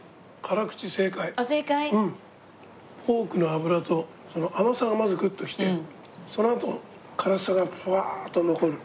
ポークの脂と甘さがまずグッときてそのあと辛さがふわっと残る。